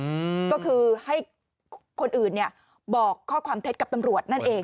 อืมก็คือให้คนอื่นเนี้ยบอกข้อความเท็จกับตำรวจนั่นเอง